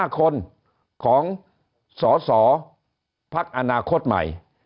๖๕คนของสอสอพักษณะโค้ดใหม่